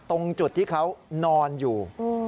ตรงจุดที่เขานอนอยู่